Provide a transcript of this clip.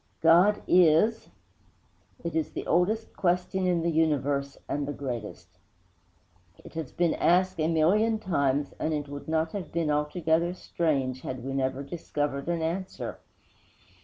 IV God is ! It is the oldest question in the universe, and the greatest. It has been asked a million million times, and it would not have been altogether strange had we never discovered an answer.